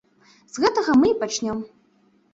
З гэтага мы і пачнём.